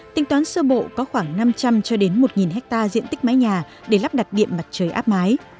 tuy tán sơ bộ có khoảng năm trăm linh một nghìn ha diện tích mái nhà để lắp đặt điện mặt trời áp mái